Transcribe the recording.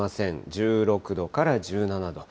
１６度から１７度。